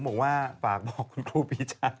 บอกว่าฝากบอกคุณครูปีชา